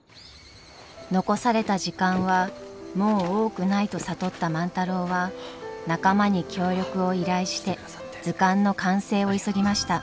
残された時間はもう多くないと悟った万太郎は仲間に協力を依頼して図鑑の完成を急ぎました。